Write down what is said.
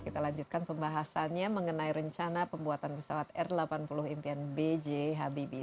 kita lanjutkan pembahasannya mengenai rencana pembuatan pesawat r delapan puluh impian b j habibie